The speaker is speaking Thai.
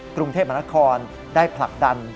กรุงเทพมหานครได้ผลักดัน